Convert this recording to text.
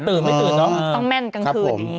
ตื่นไม่ตื่นต้องแม่นกลางคืนนี้